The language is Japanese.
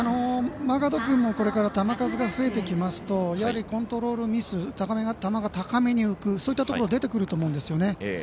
マーガード君もこれから球数が増えていきますとやはり、コントロールミス球が高めに浮くそういったところが出てくると思うんですよね。